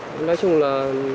đó là doanh thu của bọn em